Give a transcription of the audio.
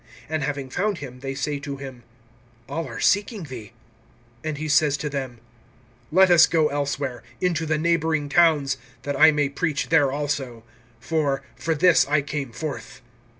(37)And having found him, they say to him: All are seeking thee. (38)And he says to them: Let us go elsewhere, into the neighboring towns, that I may preach there also; for, for this I came forth.